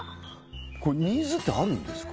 これニーズってあるんですか？